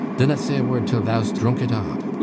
Dinnot say a word till thou'st droonk it a'!